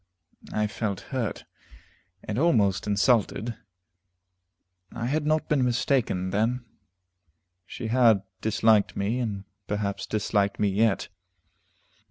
I felt hurt, and almost insulted. I had not been mistaken, then; she had disliked me, and perhaps disliked me yet.